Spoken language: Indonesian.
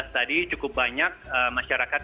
tadi cukup banyak masyarakat